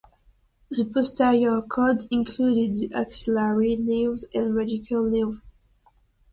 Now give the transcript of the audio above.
The posterior cord includes the axillary nerve and radial nerve.